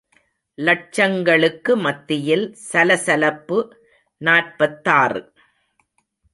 லட்சங்களுக்கு மத்தியில் சலசலப்பு நாற்பத்தாறு.